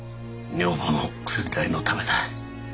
女房の薬代のためだ。